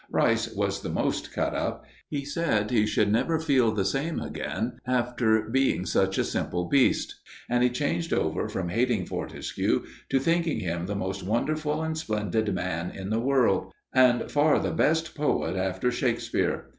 Rice was the most cut up. He said he should never feel the same again after being such a simple beast, and he changed over from hating Fortescue to thinking him the most wonderful and splendid man in the world, and far the best poet after Shakespeare.